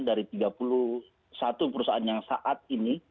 dari tiga puluh satu perusahaan yang saat ini